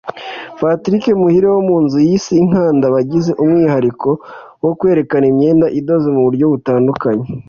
Patrick Muhire wo mu nzu yise Inkanda bagize umwihariko wo kwerekana imyenda idoze mu buryo butandukanye